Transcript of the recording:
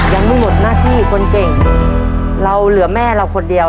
ยังไม่หมดหน้าที่คนเก่งเราเหลือแม่เราคนเดียว